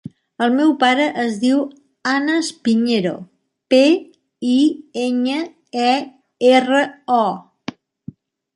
El meu pare es diu Anas Piñero: pe, i, enya, e, erra, o.